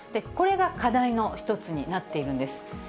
これが課題の一つになっているんです。